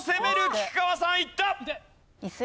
菊川さんいった！